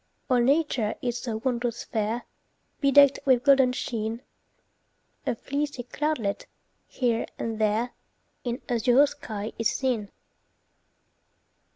All nature is so wondrous fair, Bedecked with golden sheen A fleecy cloudlet, here and there, In azure sky is seen.